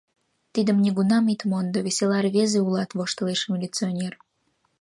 Тидым нигунам ит мондо!» — «Весела рвезе улат. — воштылеш милиционер.